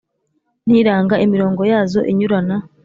n iranga imirongo yazo inyurana